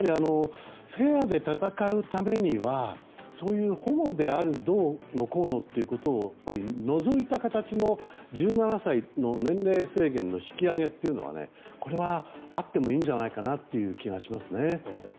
フェアで戦うためには保護であるどうのこうのということを除いた形の１７歳の年齢制限の引き上げというのはあってもいいんじゃないかという気がしますね。